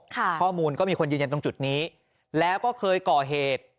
ข้อมูลก็มีคนยืนยันตรงจุดนี้แล้วก็เคยก่อเหตุ